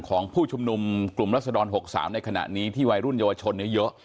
ของผู้ชุมนุมกลุ่มรัศดร๖๓ในขณะนี้ที่วัยรุ่นเยาวชนเยอะ